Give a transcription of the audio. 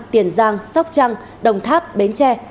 tiền giang sóc trăng đồng tháp bến tre